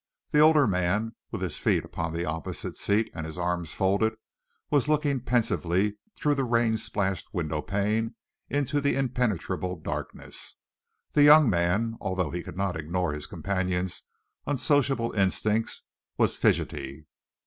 The older man, with his feet upon the opposite seat and his arms folded, was looking pensively through the rain splashed window pane into the impenetrable darkness. The young man, although he could not ignore his companion's unsociable instincts, was fidgety.